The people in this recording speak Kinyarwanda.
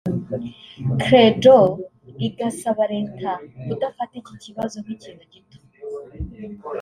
Creddho igasaba Leta kudafata iki kibazo nk’ikintu gito